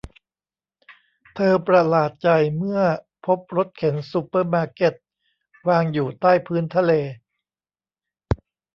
เธอประหลาดใจเมื่อพบรถเข็นซูเปอร์มาร์เก็ตวางอยู่ใต้พื้นทะเล